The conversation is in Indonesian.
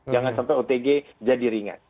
jangan sampai otg jadi ringan